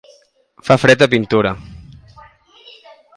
Fa fred a Pintura